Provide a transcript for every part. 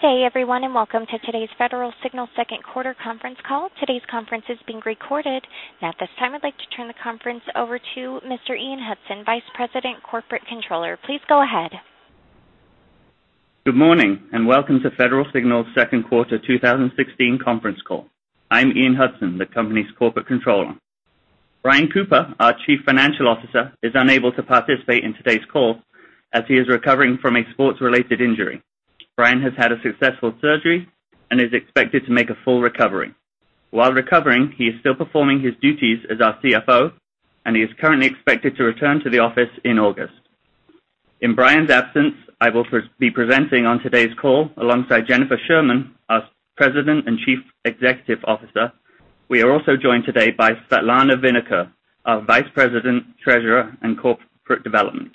Good day everyone. Welcome to today's Federal Signal second quarter conference call. Today's conference is being recorded. At this time, I'd like to turn the conference over to Mr. Ian Hudson, Vice President, Corporate Controller. Please go ahead. Good morning. Welcome to Federal Signal's second quarter 2016 conference call. I'm Ian Hudson, the company's corporate controller. Brian Cooper, our Chief Financial Officer, is unable to participate in today's call as he is recovering from a sports-related injury. Brian has had a successful surgery and is expected to make a full recovery. While recovering, he is still performing his duties as our CFO, and he is currently expected to return to the office in August. In Brian's absence, I will be presenting on today's call alongside Jennifer Sherman, our President and Chief Executive Officer. We are also joined today by Svetlana Vinokur, our Vice President, Treasurer and Corporate Development.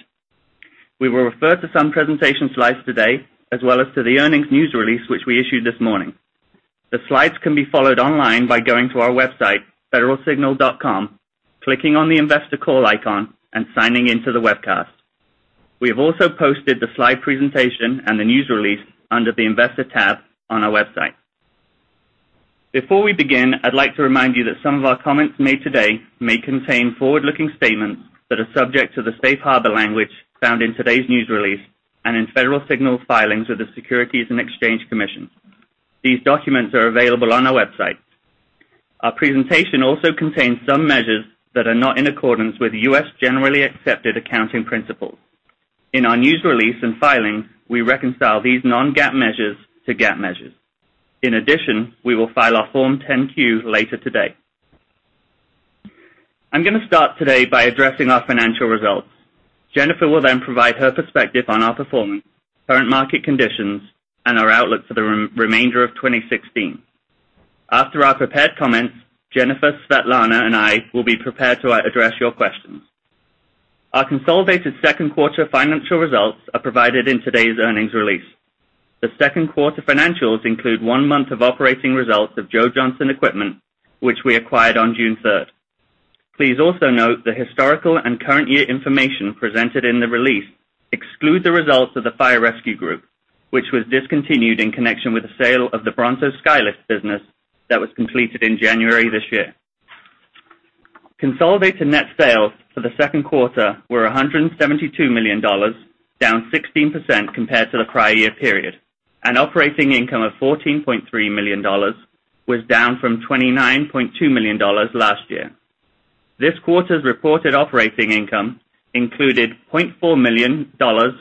We will refer to some presentation slides today, as well as to the earnings news release, which we issued this morning. The slides can be followed online by going to our website, federalsignal.com, clicking on the investor call icon, and signing in to the webcast. We have also posted the slide presentation and the news release under the investor tab on our website. Before we begin, I'd like to remind you that some of our comments made today may contain forward-looking statements that are subject to the safe harbor language found in today's news release and in Federal Signal's filings with the Securities and Exchange Commission. These documents are available on our website. Our presentation also contains some measures that are not in accordance with U.S. Generally Accepted Accounting Principles. In our news release and filings, we reconcile these non-GAAP measures to GAAP measures. We will file our Form 10-Q later today. I'm going to start today by addressing our financial results. Jennifer will provide her perspective on our performance, current market conditions, and our outlook for the remainder of 2016. After our prepared comments, Jennifer, Svetlana, and I will be prepared to address your questions. Our consolidated second quarter financial results are provided in today's earnings release. The second quarter financials include one month of operating results of Joe Johnson Equipment, which we acquired on June 3rd. Please also note the historical and current year information presented in the release exclude the results of the Fire Rescue Group, which was discontinued in connection with the sale of the Bronto Skylift business that was completed in January this year. Consolidated net sales for the second quarter were $172 million, down 16% compared to the prior year period, and operating income of $14.3 million was down from $29.2 million last year. This quarter's reported operating income included $0.4 million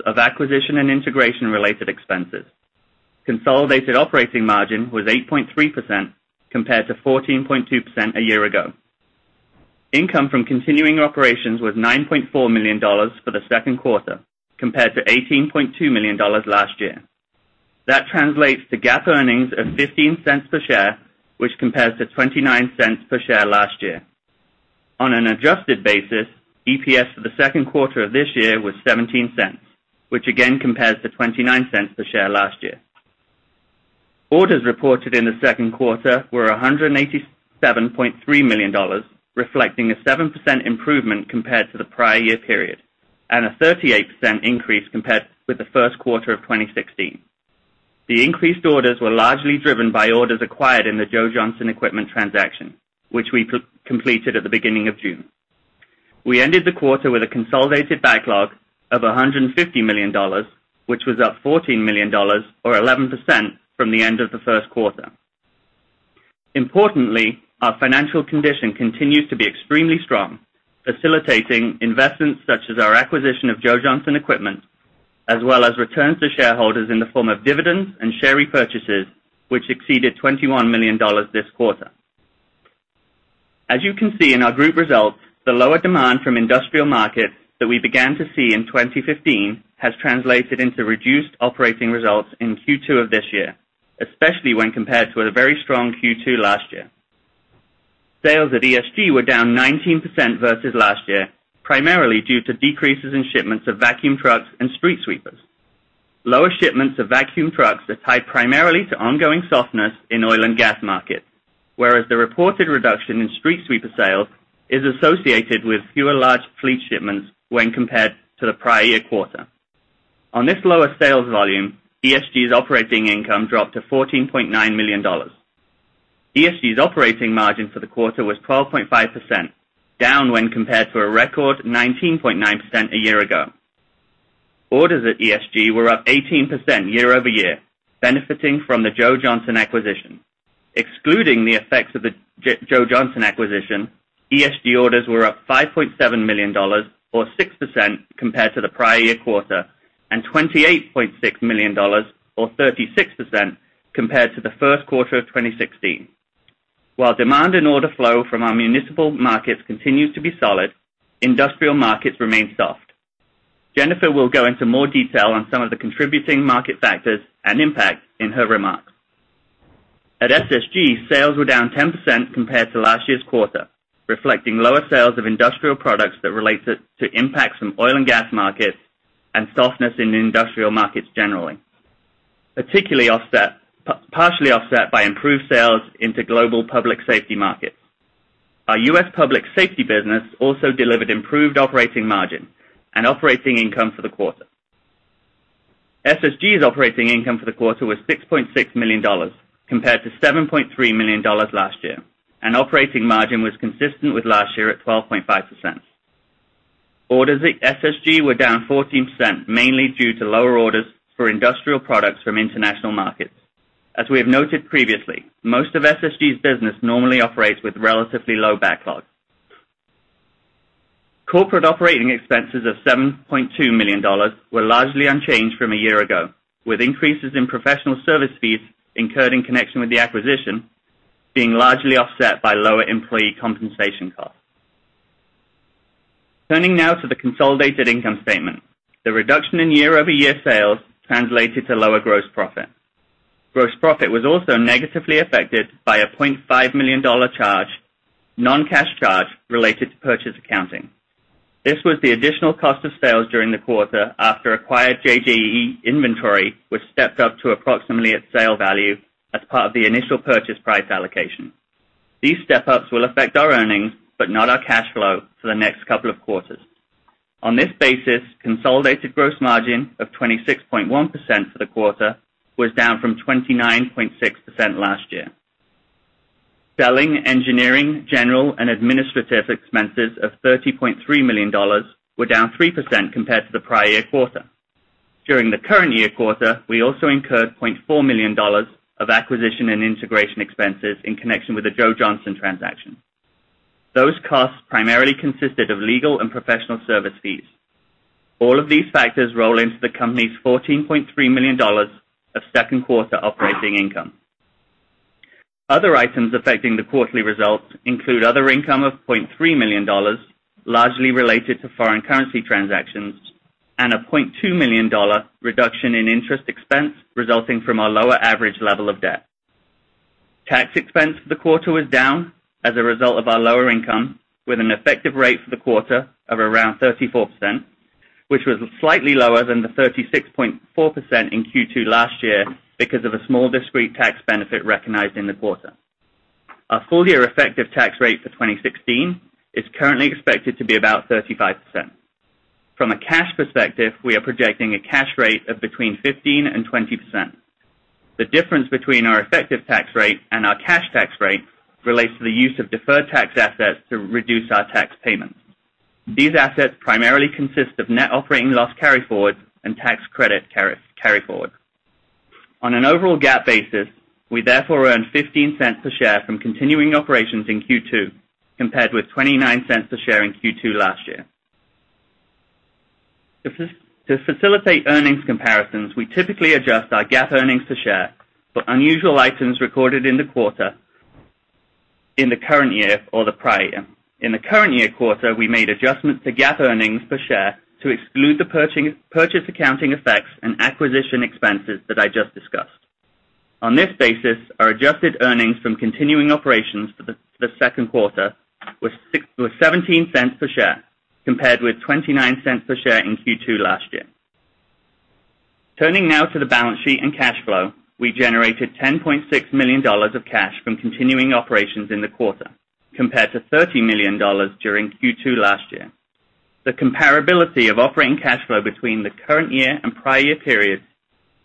of acquisition and integration related expenses. Consolidated operating margin was 8.3% compared to 14.2% a year ago. Income from continuing operations was $9.4 million for the second quarter, compared to $18.2 million last year. That translates to GAAP earnings of $0.15 per share, which compares to $0.29 per share last year. On an adjusted basis, EPS for the second quarter of this year was $0.17, which again compares to $0.29 per share last year. Orders reported in the second quarter were $187.3 million, reflecting a 7% improvement compared to the prior year period, and a 38% increase compared with the first quarter of 2016. The increased orders were largely driven by orders acquired in the Joe Johnson Equipment transaction, which we completed at the beginning of June. We ended the quarter with a consolidated backlog of $150 million, which was up $14 million, or 11%, from the end of the first quarter. Importantly, our financial condition continues to be extremely strong, facilitating investments such as our acquisition of Joe Johnson Equipment, as well as returns to shareholders in the form of dividends and share repurchases, which exceeded $21 million this quarter. As you can see in our group results, the lower demand from industrial markets that we began to see in 2015 has translated into reduced operating results in Q2 of this year, especially when compared to the very strong Q2 last year. Sales at ESG were down 19% versus last year, primarily due to decreases in shipments of vacuum trucks and street sweepers. Lower shipments of vacuum trucks are tied primarily to ongoing softness in oil and gas markets, whereas the reported reduction in street sweeper sales is associated with fewer large fleet shipments when compared to the prior year quarter. On this lower sales volume, ESG's operating income dropped to $14.9 million. ESG's operating margin for the quarter was 12.5%, down when compared to a record 19.9% a year ago. Orders at ESG were up 18% year-over-year, benefiting from the Joe Johnson acquisition. Excluding the effects of the Joe Johnson acquisition, ESG orders were up $5.7 million, or 6%, compared to the prior year quarter, and $28.6 million, or 36%, compared to the first quarter of 2016. While demand and order flow from our municipal markets continues to be solid, industrial markets remain soft. Jennifer will go into more detail on some of the contributing market factors and impact in her remarks. At SSG, sales were down 10% compared to last year's quarter, reflecting lower sales of industrial products that relates to impacts from oil and gas markets and softness in industrial markets generally, partially offset by improved sales into global public safety markets. Our U.S. public safety business also delivered improved operating margin and operating income for the quarter. SSG's operating income for the quarter was $6.6 million compared to $7.3 million last year, and operating margin was consistent with last year at 12.5%. Orders at SSG were down 14%, mainly due to lower orders for industrial products from international markets. As we have noted previously, most of SSG's business normally operates with relatively low backlogs. Corporate operating expenses of $7.2 million were largely unchanged from a year ago, with increases in professional service fees incurred in connection with the acquisition being largely offset by lower employee compensation costs. Turning now to the consolidated income statement. The reduction in year-over-year sales translated to lower gross profit. Gross profit was also negatively affected by a $0.5 million charge, non-cash charge related to purchase accounting. This was the additional cost of sales during the quarter after acquired JJE inventory was stepped up to approximately its sale value as part of the initial purchase price allocation. These step-ups will affect our earnings, but not our cash flow for the next couple of quarters. On this basis, consolidated gross margin of 26.1% for the quarter was down from 29.6% last year. Selling, engineering, general, and administrative expenses of $30.3 million were down 3% compared to the prior year quarter. During the current year quarter, we also incurred $0.4 million of acquisition and integration expenses in connection with the Joe Johnson transaction. Those costs primarily consisted of legal and professional service fees. All of these factors roll into the company's $14.3 million of second quarter operating income. Other items affecting the quarterly results include other income of $0.3 million, largely related to foreign currency transactions, and a $0.2 million reduction in interest expense resulting from our lower average level of debt. Tax expense for the quarter was down as a result of our lower income, with an effective rate for the quarter of around 34%, which was slightly lower than the 36.4% in Q2 last year because of a small discrete tax benefit recognized in the quarter. Our full-year effective tax rate for 2016 is currently expected to be about 35%. From a cash perspective, we are projecting a cash rate of between 15% and 20%. The difference between our effective tax rate and our cash tax rate relates to the use of deferred tax assets to reduce our tax payments. These assets primarily consist of net operating loss carryforwards and tax credit carry-forwards. On an overall GAAP basis, we therefore earned $0.15 per share from continuing operations in Q2 compared with $0.29 a share in Q2 last year. To facilitate earnings comparisons, we typically adjust our GAAP earnings per share for unusual items recorded in the quarter in the current year or the prior year. In the current year quarter, we made adjustments to GAAP earnings per share to exclude the purchase accounting effects and acquisition expenses that I just discussed. On this basis, our adjusted earnings from continuing operations for the second quarter was $0.17 per share, compared with $0.29 per share in Q2 last year. Turning now to the balance sheet and cash flow. We generated $10.6 million of cash from continuing operations in the quarter, compared to $30 million during Q2 last year. The comparability of operating cash flow between the current year and prior year periods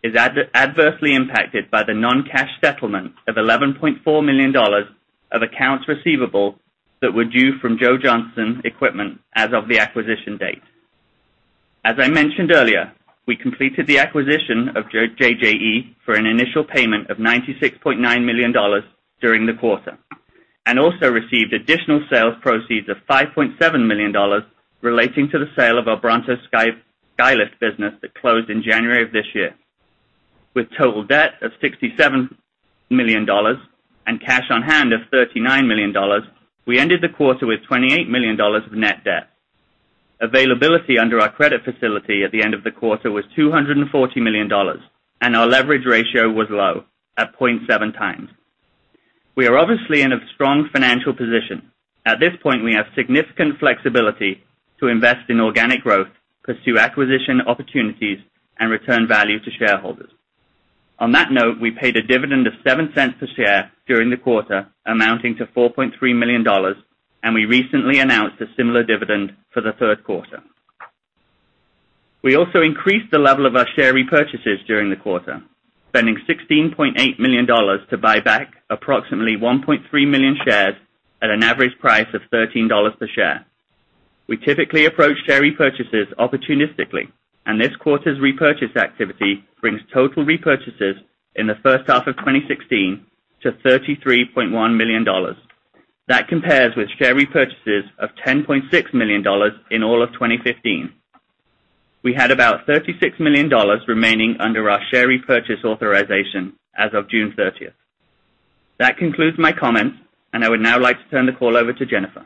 is adversely impacted by the non-cash settlement of $11.4 million of accounts receivable that were due from Joe Johnson Equipment as of the acquisition date. As I mentioned earlier, we completed the acquisition of JJE for an initial payment of $96.9 million during the quarter, and also received additional sales proceeds of $5.7 million relating to the sale of our Bronto Skylift business that closed in January of this year. With total debt of $67 million and cash on hand of $39 million, we ended the quarter with $28 million of net debt. Availability under our credit facility at the end of the quarter was $240 million, and our leverage ratio was low at 0.7 times. We are obviously in a strong financial position. At this point, we have significant flexibility to invest in organic growth, pursue acquisition opportunities, and return value to shareholders. On that note, we paid a dividend of $0.07 per share during the quarter, amounting to $4.3 million, and we recently announced a similar dividend for the third quarter. We also increased the level of our share repurchases during the quarter, spending $16.8 million to buy back approximately 1.3 million shares at an average price of $13 per share. We typically approach share repurchases opportunistically. This quarter's repurchase activity brings total repurchases in the first half of 2016 to $33.1 million. That compares with share repurchases of $10.6 million in all of 2015. We had about $36 million remaining under our share repurchase authorization as of June 30th. That concludes my comments. I would now like to turn the call over to Jennifer.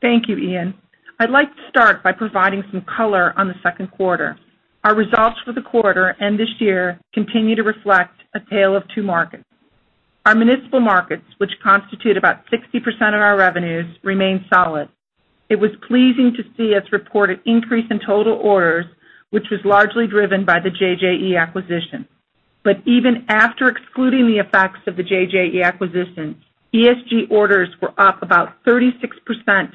Thank you, Ian. I'd like to start by providing some color on the second quarter. Our results for the quarter and this year continue to reflect a tale of two markets. Our municipal markets, which constitute about 60% of our revenues, remain solid. It was pleasing to see us report an increase in total orders, which was largely driven by the JJE acquisition. Even after excluding the effects of the JJE acquisition, ESG orders were up about 36% on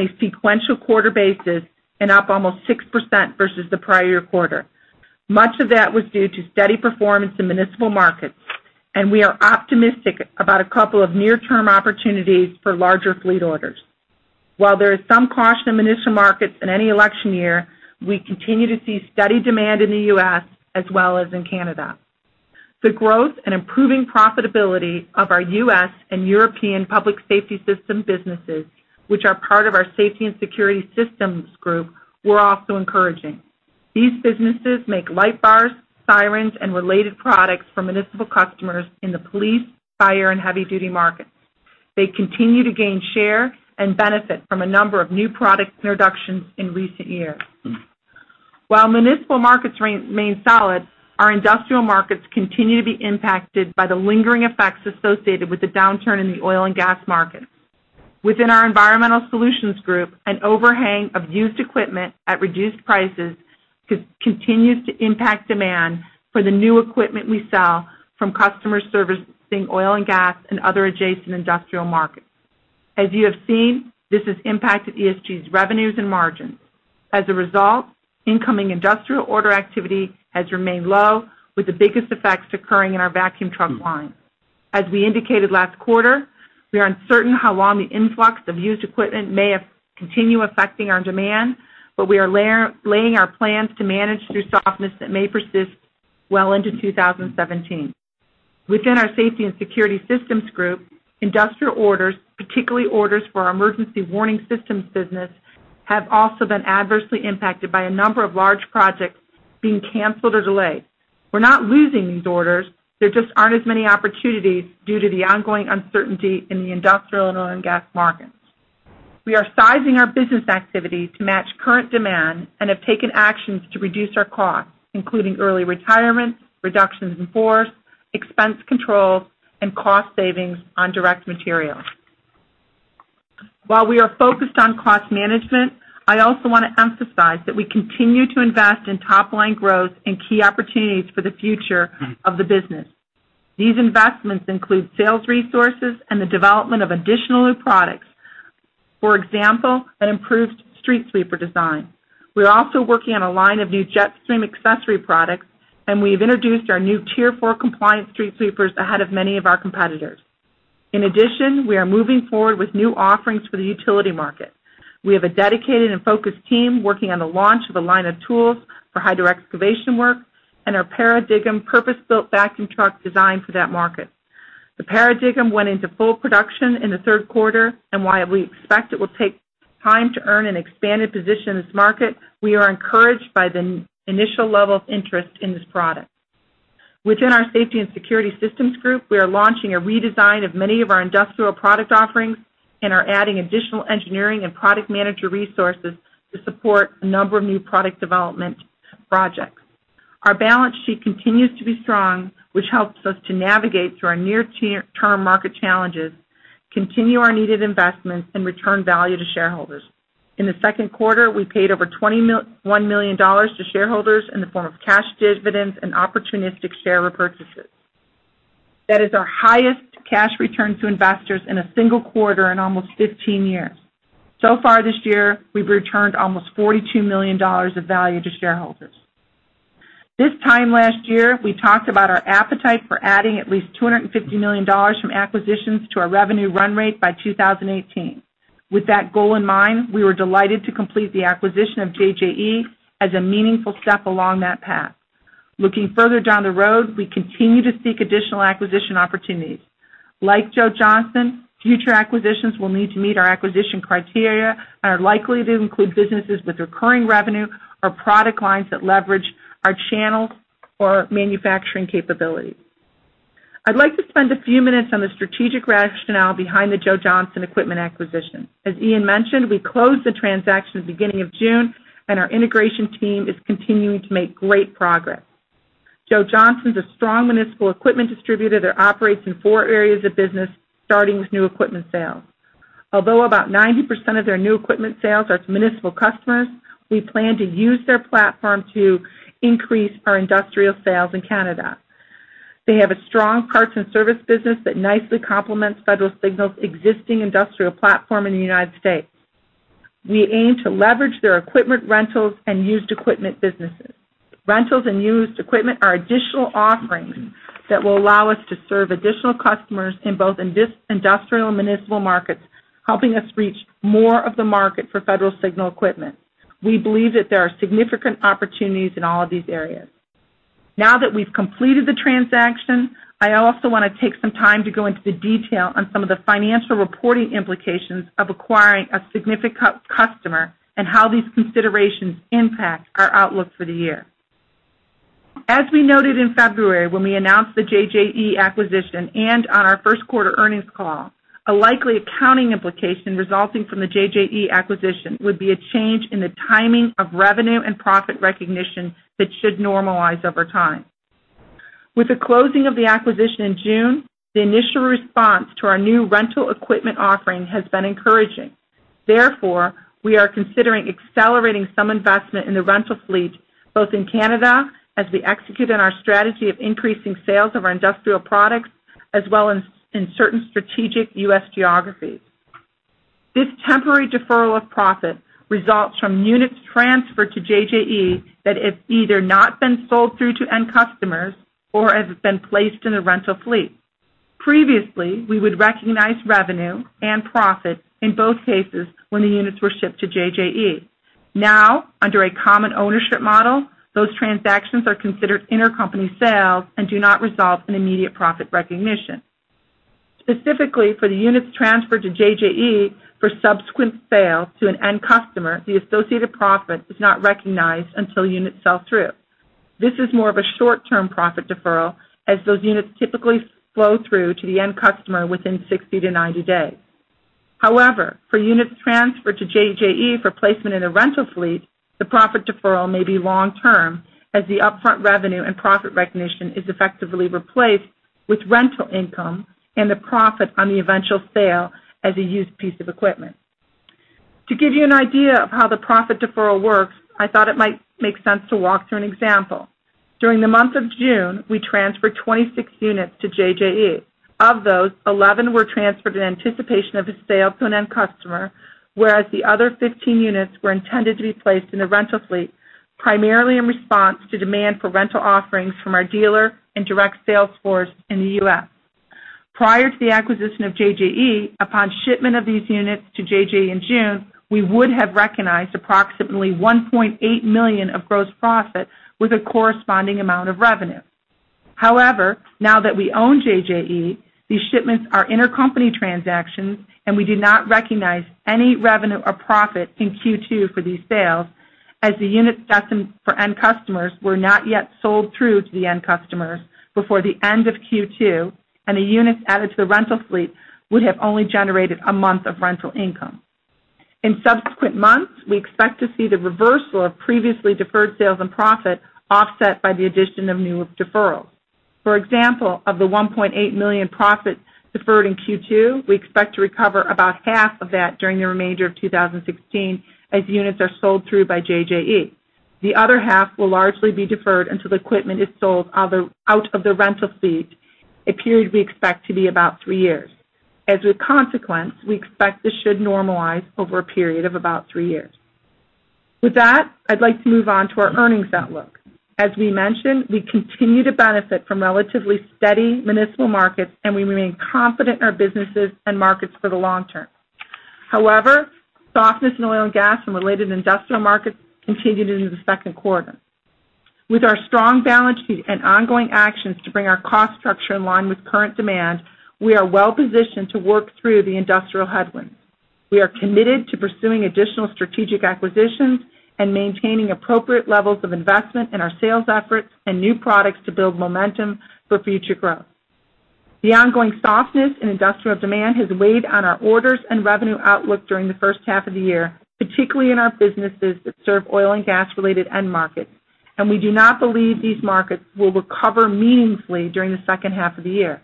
a sequential quarter basis and up almost 6% versus the prior quarter. Much of that was due to steady performance in municipal markets, and we are optimistic about a couple of near-term opportunities for larger fleet orders. While there is some caution in municipal markets in any election year, we continue to see steady demand in the U.S. as well as in Canada. The growth and improving profitability of our U.S. and European public safety system businesses, which are part of our Safety and Security Systems Group, were also encouraging. These businesses make light bars, sirens, and related products for municipal customers in the police, fire, and heavy-duty markets. They continue to gain share and benefit from a number of new product introductions in recent years. While municipal markets remain solid, our industrial markets continue to be impacted by the lingering effects associated with the downturn in the oil and gas market. Within our Environmental Solutions Group, an overhang of used equipment at reduced prices continues to impact demand for the new equipment we sell from customers servicing oil and gas and other adjacent industrial markets. As you have seen, this has impacted ESG's revenues and margins. As a result, incoming industrial order activity has remained low, with the biggest effects occurring in our vacuum truck line. As we indicated last quarter, we are uncertain how long the influx of used equipment may continue affecting our demand, but we are laying our plans to manage through softness that may persist well into 2017. Within our Safety and Security Systems Group, industrial orders, particularly orders for our emergency warning systems business, have also been adversely impacted by a number of large projects being canceled or delayed. We're not losing these orders. There just aren't as many opportunities due to the ongoing uncertainty in the industrial and oil and gas markets. We are sizing our business activities to match current demand and have taken actions to reduce our costs, including early retirement, reductions in force, expense controls, and cost savings on direct materials. While we are focused on cost management, I also want to emphasize that we continue to invest in top-line growth and key opportunities for the future of the business. These investments include sales resources and the development of additional new products. For example, an improved street sweeper design. We're also working on a line of new Jetstream accessory products, and we've introduced our new Tier 4 compliance street sweepers ahead of many of our competitors. In addition, we are moving forward with new offerings for the utility market. We have a dedicated and focused team working on the launch of a line of tools for hydro-excavation work and our ParaDIGm purpose-built vacuum truck designed for that market. The ParaDIGm went into full production in the third quarter, and while we expect it will take time to earn an expanded position in this market, we are encouraged by the initial level of interest in this product. Within our Safety and Security Systems Group, we are launching a redesign of many of our industrial product offerings and are adding additional engineering and product manager resources to support a number of new product development projects. Our balance sheet continues to be strong, which helps us to navigate through our near-term market challenges, continue our needed investments, and return value to shareholders. In the second quarter, we paid over $21 million to shareholders in the form of cash dividends and opportunistic share repurchases. That is our highest cash return to investors in a single quarter in almost 15 years. So far this year, we've returned almost $42 million of value to shareholders. This time last year, we talked about our appetite for adding at least $250 million from acquisitions to our revenue run rate by 2018. With that goal in mind, we were delighted to complete the acquisition of JJE as a meaningful step along that path. Looking further down the road, we continue to seek additional acquisition opportunities. Like Joe Johnson, future acquisitions will need to meet our acquisition criteria and are likely to include businesses with recurring revenue or product lines that leverage our channels or manufacturing capability. I'd like to spend a few minutes on the strategic rationale behind the Joe Johnson Equipment acquisition. As Ian mentioned, we closed the transaction at the beginning of June, and our integration team is continuing to make great progress. Joe Johnson is a strong municipal equipment distributor that operates in four areas of business, starting with new equipment sales. Although about 90% of their new equipment sales are to municipal customers, we plan to use their platform to increase our industrial sales in Canada. They have a strong parts and service business that nicely complements Federal Signal's existing industrial platform in the U.S. We aim to leverage their equipment rentals and used equipment businesses. Rentals and used equipment are additional offerings that will allow us to serve additional customers in both industrial and municipal markets, helping us reach more of the market for Federal Signal equipment. We believe that there are significant opportunities in all of these areas. Now that we've completed the transaction, I also want to take some time to go into the detail on some of the financial reporting implications of acquiring a significant customer and how these considerations impact our outlook for the year. As we noted in February when we announced the JJE acquisition and on our first quarter earnings call, a likely accounting implication resulting from the JJE acquisition would be a change in the timing of revenue and profit recognition that should normalize over time. With the closing of the acquisition in June, the initial response to our new rental equipment offering has been encouraging. Therefore, we are considering accelerating some investment in the rental fleet, both in Canada as we execute on our strategy of increasing sales of our industrial products, as well as in certain strategic U.S. geographies. This temporary deferral of profit results from units transferred to JJE that have either not been sold through to end customers or have been placed in the rental fleet. Previously, we would recognize revenue and profit in both cases when the units were shipped to JJE. Under a common ownership model, those transactions are considered intercompany sales and do not result in immediate profit recognition. Specifically, for the units transferred to JJE for subsequent sale to an end customer, the associated profit is not recognized until units sell through. This is more of a short-term profit deferral, as those units typically flow through to the end customer within 60-90 days. For units transferred to JJE for placement in the rental fleet, the profit deferral may be long term, as the upfront revenue and profit recognition is effectively replaced with rental income and the profit on the eventual sale as a used piece of equipment. To give you an idea of how the profit deferral works, I thought it might make sense to walk through an example. During the month of June, we transferred 26 units to JJE. Of those, 11 were transferred in anticipation of a sale to an end customer, whereas the other 15 units were intended to be placed in the rental fleet, primarily in response to demand for rental offerings from our dealer and direct sales force in the U.S. Prior to the acquisition of JJE, upon shipment of these units to JJ in June, we would have recognized approximately $1.8 million of gross profit with a corresponding amount of revenue. However, now that we own JJE, these shipments are intercompany transactions, and we do not recognize any revenue or profit in Q2 for these sales, as the unit destined for end customers were not yet sold through to the end customers before the end of Q2, and the units added to the rental fleet would have only generated a month of rental income. In subsequent months, we expect to see the reversal of previously deferred sales and profit offset by the addition of new deferrals. For example, of the $1.8 million profit deferred in Q2, we expect to recover about half of that during the remainder of 2016 as units are sold through by JJE. The other half will largely be deferred until the equipment is sold out of the rental fleet, a period we expect to be about three years. As a consequence, we expect this should normalize over a period of about three years. With that, I'd like to move on to our earnings outlook. As we mentioned, we continue to benefit from relatively steady municipal markets, and we remain confident in our businesses and markets for the long term. However, softness in oil and gas and related industrial markets continued into the second quarter. With our strong balance sheet and ongoing actions to bring our cost structure in line with current demand, we are well positioned to work through the industrial headwinds. We are committed to pursuing additional strategic acquisitions and maintaining appropriate levels of investment in our sales efforts and new products to build momentum for future growth. The ongoing softness in industrial demand has weighed on our orders and revenue outlook during the first half of the year, particularly in our businesses that serve oil and gas-related end markets, and we do not believe these markets will recover meaningfully during the second half of the year.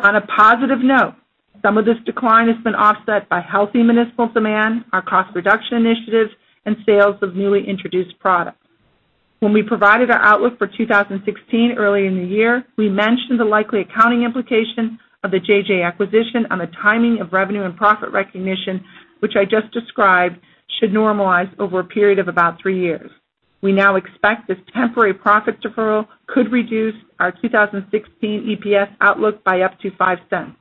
On a positive note, some of this decline has been offset by healthy municipal demand, our cost reduction initiatives, and sales of newly introduced products. When we provided our outlook for 2016 early in the year, we mentioned the likely accounting implication of the JJ acquisition on the timing of revenue and profit recognition, which I just described should normalize over a period of about three years. We now expect this temporary profit deferral could reduce our 2016 EPS outlook by up to $0.05.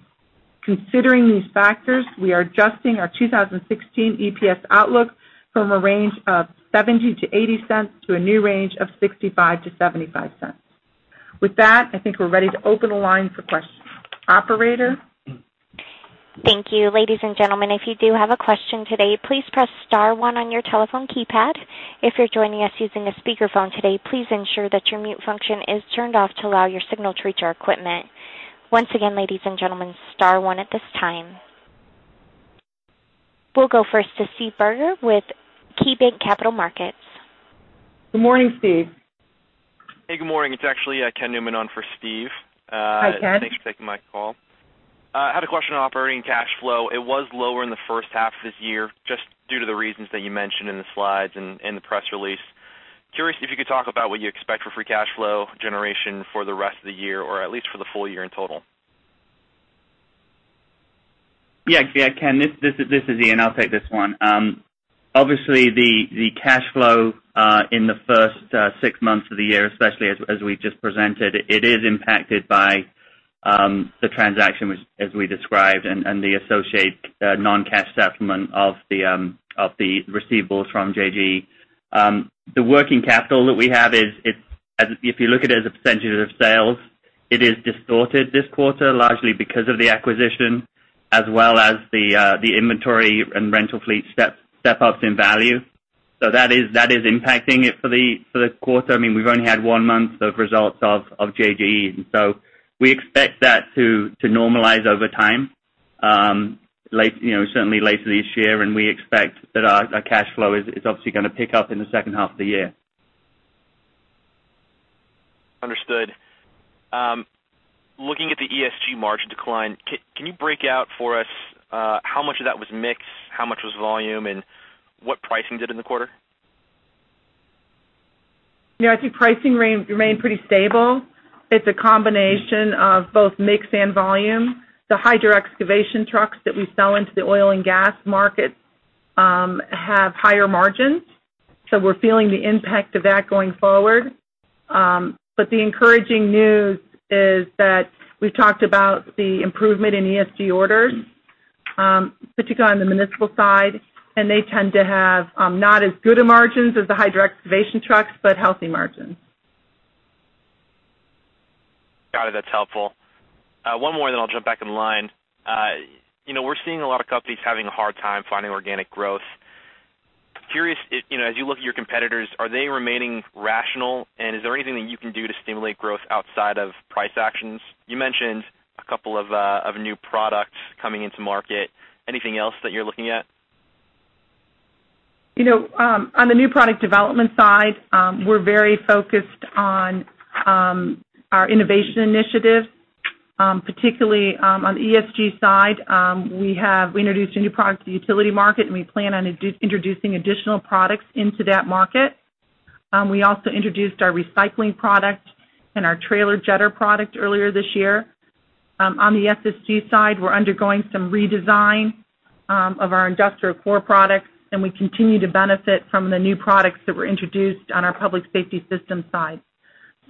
Considering these factors, we are adjusting our 2016 EPS outlook from a range of $0.70 to $0.80 to a new range of $0.65 to $0.75. With that, I think we're ready to open the line for questions. Operator? Thank you. Ladies and gentlemen, if you do have a question today, please press *1 on your telephone keypad. If you're joining us using a speakerphone today, please ensure that your mute function is turned off to allow your signal to reach our equipment. Once again, ladies and gentlemen, *1 at this time. We'll go first to Steve Barger with KeyBanc Capital Markets. Good morning, Steve. Hey, good morning. It's actually Ken Newman on for Steve. Hi, Ken. Thanks for taking my call. I had a question on operating cash flow. It was lower in the first half of this year, just due to the reasons that you mentioned in the slides and the press release. Curious if you could talk about what you expect for free cash flow generation for the rest of the year or at least for the full year in total. Ken, this is Ian. I'll take this one. Obviously, the cash flow in the first six months of the year, especially as we just presented, it is impacted by the transaction as we described and the associated non-cash settlement of the receivables from JJE. The working capital that we have is, if you look at it as a % of sales, it is distorted this quarter, largely because of the acquisition as well as the inventory and rental fleet step-ups in value. That is impacting it for the quarter. We've only had one month of results of JJE, we expect that to normalize over time certainly later this year, we expect that our cash flow is obviously gonna pick up in the second half of the year. Understood. Looking at the ESG margin decline, can you break out for us how much of that was mix, how much was volume, and what pricing did in the quarter? I think pricing remained pretty stable. It's a combination of both mix and volume. The hydro-excavation trucks that we sell into the oil and gas market have higher margins, we're feeling the impact of that going forward. The encouraging news is that we've talked about the improvement in ESG orders, particularly on the municipal side, they tend to have not as good a margins as the hydro-excavation trucks, healthy margins. Got it. That's helpful. One more, then I'll jump back in line. We're seeing a lot of companies having a hard time finding organic growth. Curious, as you look at your competitors, are they remaining rational? Is there anything that you can do to stimulate growth outside of price actions? You mentioned a couple of new products coming into market. Anything else that you're looking at? On the new product development side, we're very focused on our innovation initiatives, particularly on the ESG side. We introduced a new product to the utility market, and we plan on introducing additional products into that market. We also introduced our recycling product and our trailer jetter product earlier this year. On the SSG side, we're undergoing some redesign of our industrial core products, and we continue to benefit from the new products that were introduced on our public safety systems side.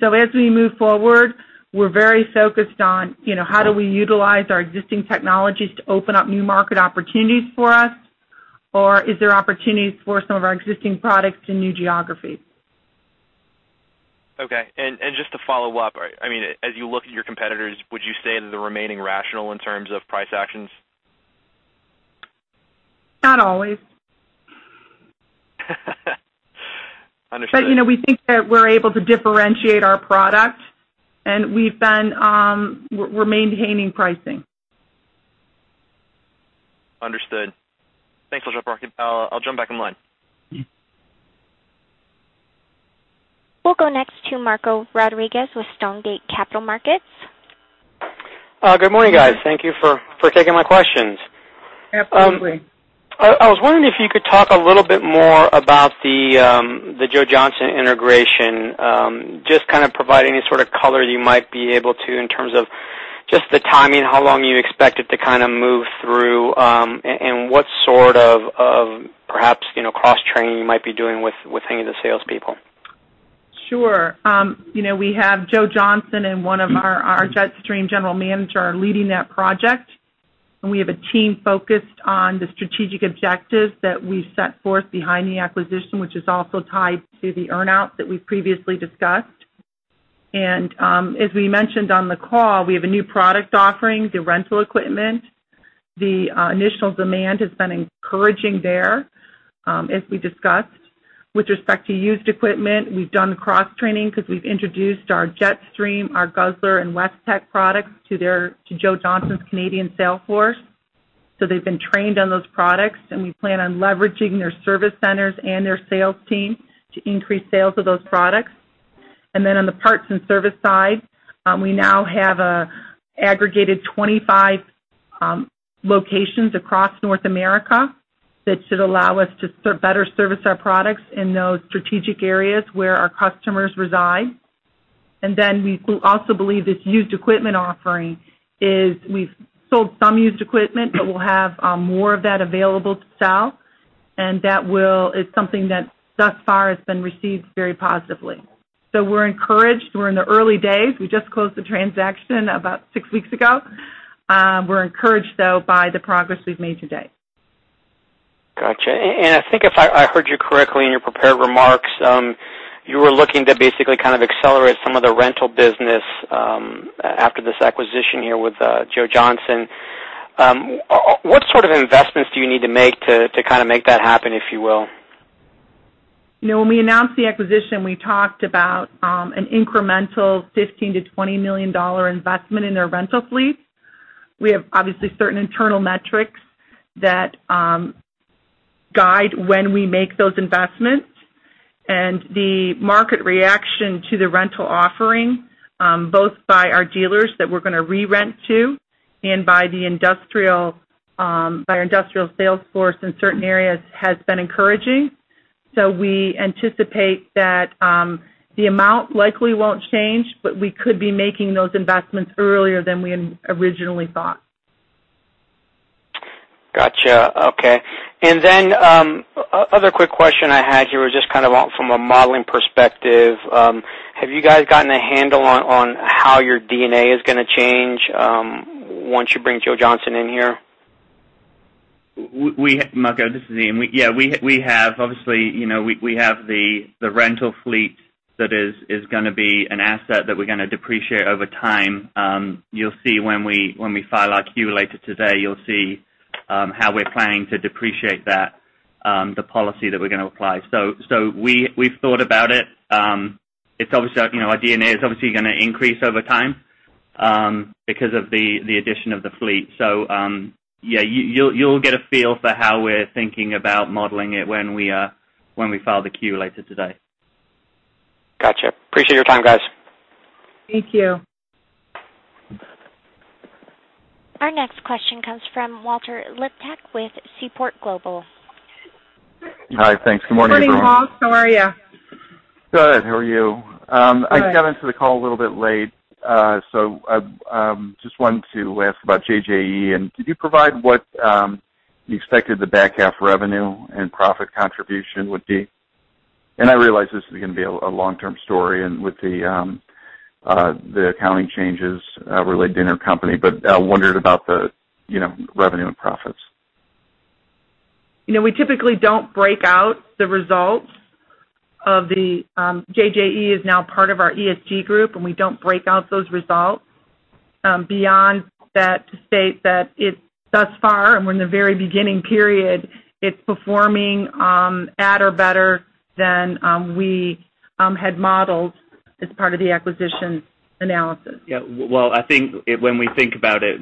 As we move forward, we're very focused on how do we utilize our existing technologies to open up new market opportunities for us, or are there opportunities for some of our existing products in new geographies? Okay. Just to follow up, as you look at your competitors, would you say they're remaining rational in terms of price actions? Not always. Understood. We think that we're able to differentiate our product, and we're maintaining pricing. Understood. Thanks. I'll jump back in line. We'll go next to Marco Rodriguez with Stonegate Capital Markets. Good morning, guys. Thank you for taking my questions. Absolutely. I was wondering if you could talk a little bit more about the Joe Johnson integration, just kind of provide any sort of color you might be able to in terms of just the timing, how long you expect it to move through, and what sort of perhaps cross-training you might be doing with any of the salespeople. Sure. We have Joe Johnson and one of our Jetstream general manager leading that project. We have a team focused on the strategic objectives that we set forth behind the acquisition, which is also tied to the earn-out that we previously discussed. As we mentioned on the call, we have a new product offering, the rental equipment. The initial demand has been encouraging there. As we discussed with respect to used equipment, we've done cross-training because we've introduced our Jetstream, our Guzzler, and Westech products to Joe Johnson's Canadian sales force. They've been trained on those products, and we plan on leveraging their service centers and their sales team to increase sales of those products. On the parts and service side, we now have aggregated 25 locations across North America that should allow us to better service our products in those strategic areas where our customers reside. We also believe this used equipment offering is we've sold some used equipment, but we'll have more of that available to sell, and that is something that thus far has been received very positively. We're encouraged. We're in the early days. We just closed the transaction about six weeks ago. We're encouraged, though, by the progress we've made today. Got you. I think if I heard you correctly in your prepared remarks, you were looking to basically accelerate some of the rental business after this acquisition here with Joe Johnson. What sort of investments do you need to make to make that happen, if you will? When we announced the acquisition, we talked about an incremental $15 million-$20 million investment in their rental fleet. We have obviously certain internal metrics that guide when we make those investments, and the market reaction to the rental offering, both by our dealers that we're going to re-rent to and by our industrial sales force in certain areas, has been encouraging. We anticipate that the amount likely won't change, but we could be making those investments earlier than we originally thought. Got you. Okay. Other quick question I had here was just from a modeling perspective. Have you guys gotten a handle on how your DNA is going to change once you bring Joe Johnson in here? Marco, this is Ian. Yeah, obviously, we have the rental fleet that is going to be an asset that we're going to depreciate over time. When we file our Q later today, you'll see how we're planning to depreciate the policy that we're going to apply. We've thought about it. Our DNA is obviously going to increase over time because of the addition of the fleet. You'll get a feel for how we're thinking about modeling it when we file the Q later today. Got you. Appreciate your time, guys. Thank you. Our next question comes from Walter Liptak with Seaport Global. Hi. Thanks. Good morning, everyone. Good morning, Walt. How are you? Good. How are you? Good. I got into the call a little bit late, I just wanted to ask about JJE. Could you provide what you expected the back half revenue and profit contribution would be? I realize this is going to be a long-term story, with the accounting changes related to intercompany, but I wondered about the revenue and profits. We typically don't break out the results of JJE is now part of our ESG segment, we don't break out those results beyond that to state that it thus far, and we're in the very beginning period, it's performing at or better than we had modeled as part of the acquisition analysis. Yeah. Well, I think when we think about it,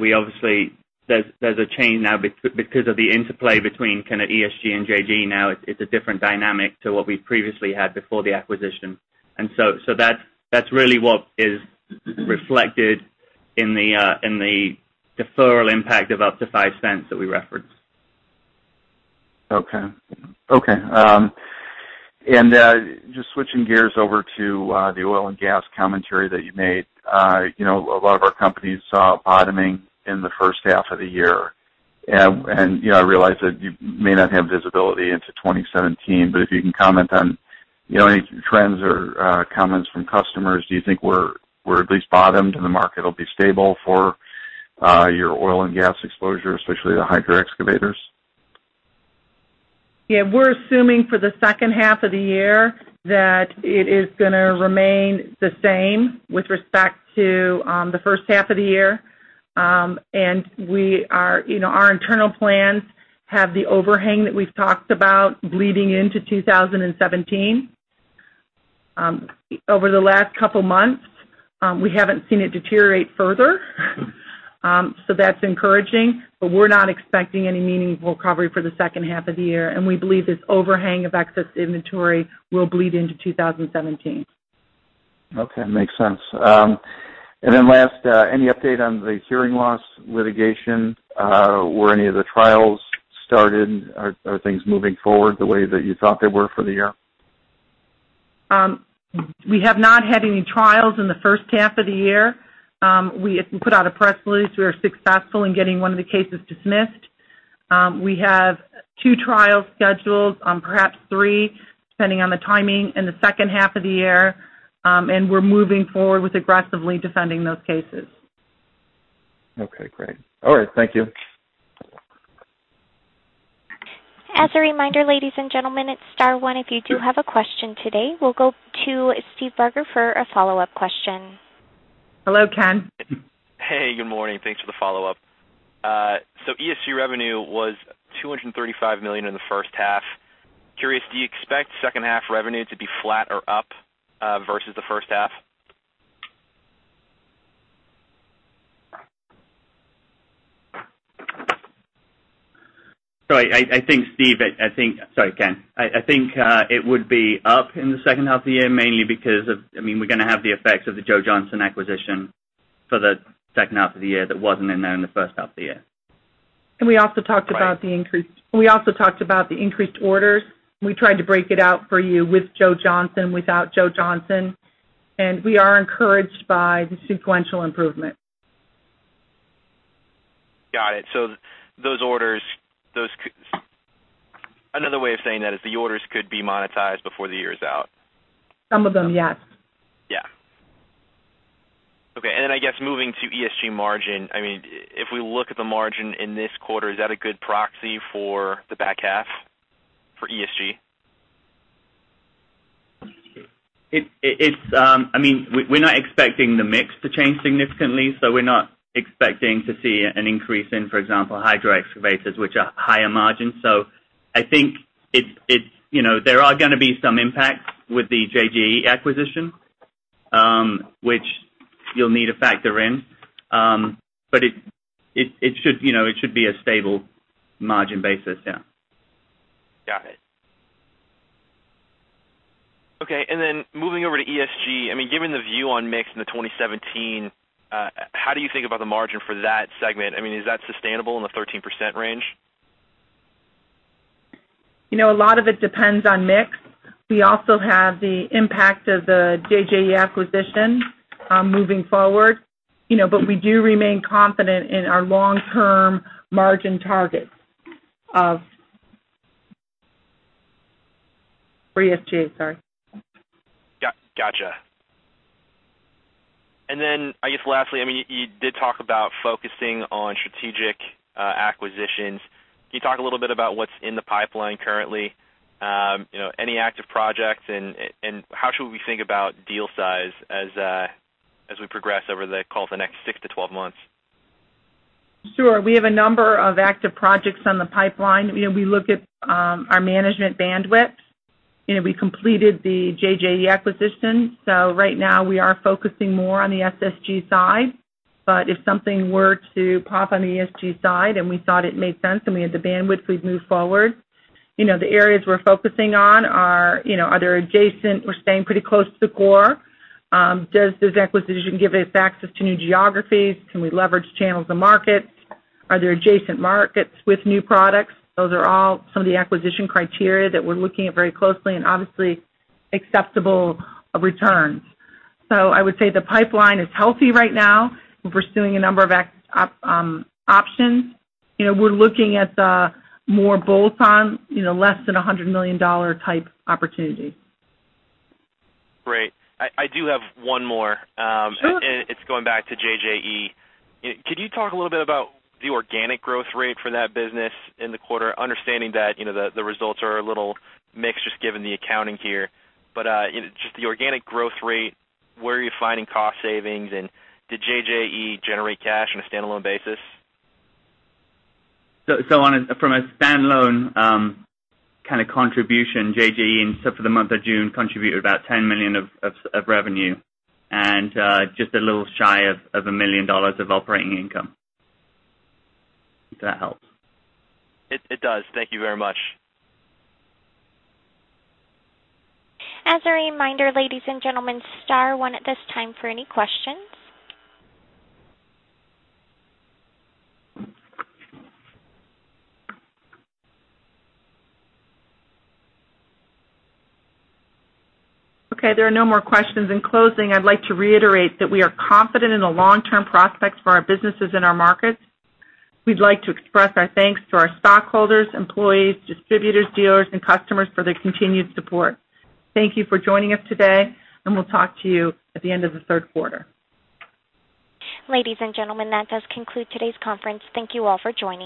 there's a change now because of the interplay between kind of ESG and JJE now. It's a different dynamic to what we previously had before the acquisition. That's really what is reflected in the deferral impact of up to $0.05 that we referenced. Okay. Just switching gears over to the oil and gas commentary that you made. A lot of our companies saw bottoming in the first half of the year. I realize that you may not have visibility into 2017, but if you can comment on any trends or comments from customers, do you think we're at least bottomed and the market will be stable for your oil and gas exposure, especially the hydro excavators? Yeah, we're assuming for the second half of the year that it is going to remain the same with respect to the first half of the year. Our internal plans have the overhang that we've talked about bleeding into 2017. Over the last couple of months, we haven't seen it deteriorate further, so that's encouraging. We're not expecting any meaningful recovery for the second half of the year, and we believe this overhang of excess inventory will bleed into 2017. Okay. Makes sense. Last, any update on the hearing loss litigation? Were any of the trials started? Are things moving forward the way that you thought they were for the year? We have not had any trials in the first half of the year. We put out a press release. We were successful in getting one of the cases dismissed. We have two trials scheduled, perhaps three, depending on the timing in the second half of the year. We're moving forward with aggressively defending those cases. Okay, great. All right. Thank you. As a reminder, ladies and gentlemen, it's star one if you do have a question today. We'll go to Steve Barger for a follow-up question. Hello, Ken. Hey, good morning. Thanks for the follow-up. ESG revenue was $235 million in the first half. Curious, do you expect second half revenue to be flat or up versus the first half? Steve, sorry, Ken. I think it would be up in the second half of the year, mainly because of, we're going to have the effects of the Joe Johnson acquisition for the second half of the year that wasn't in there in the first half of the year. We also talked about the increased orders, and we tried to break it out for you with Joe Johnson, without Joe Johnson. We are encouraged by the sequential improvement. Got it. Those orders, another way of saying that is the orders could be monetized before the year is out. Some of them, yes. Yeah. Okay. I guess moving to ESG margin, if we look at the margin in this quarter, is that a good proxy for the back half for ESG? We're not expecting the mix to change significantly, we're not expecting to see an increase in, for example, hydro excavators, which are higher margin. I think there are going to be some impacts with the JJE acquisition, which you'll need to factor in. It should be a stable margin basis, yeah. Got it. Okay, moving over to ESG, given the view on mix in the 2017, how do you think about the margin for that segment? Is that sustainable in the 13% range? A lot of it depends on mix. We also have the impact of the JJE acquisition moving forward. We do remain confident in our long-term margin targets for ESG. Sorry. Got you. I guess lastly, you did talk about focusing on strategic acquisitions. Can you talk a little bit about what's in the pipeline currently? Any active projects, and how should we think about deal size as we progress over the next 6 to 12 months? Sure. We have a number of active projects on the pipeline. We look at our management bandwidth. We completed the JJE acquisition, right now we are focusing more on the SSG side. If something were to pop on the SSG side and we thought it made sense and we had the bandwidth, we'd move forward. The areas we're focusing on are either adjacent, we're staying pretty close to the core. Does this acquisition give us access to new geographies? Can we leverage channels to markets? Are there adjacent markets with new products? Those are all some of the acquisition criteria that we're looking at very closely, and obviously, acceptable returns. I would say the pipeline is healthy right now. We're pursuing a number of options. We're looking at the more bolt-on, less than $100 million type opportunity. Great. I do have one more. Sure. It's going back to JJE. Could you talk a little bit about the organic growth rate for that business in the quarter, understanding that the results are a little mixed just given the accounting here. Just the organic growth rate, where are you finding cost savings, and did JJE generate cash on a standalone basis? From a standalone kind of contribution, JJE, except for the month of June, contributed about $10 million of revenue and just a little shy of $1 million of operating income. If that helps. It does. Thank you very much. As a reminder, ladies and gentlemen, star one at this time for any questions. There are no more questions. In closing, I'd like to reiterate that we are confident in the long-term prospects for our businesses and our markets. We'd like to express our thanks to our stockholders, employees, distributors, dealers, and customers for their continued support. Thank you for joining us today, and we'll talk to you at the end of the third quarter. Ladies and gentlemen, that does conclude today's conference. Thank you all for joining.